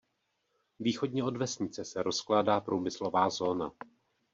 Východně od vesnice se rozkládá průmyslová zóna.